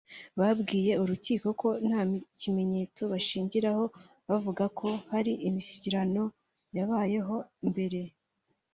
Bwabwiye urukiko ko nta kimenyetso bashingiraho bavuga ko hari imishyikirano yabayeho mbere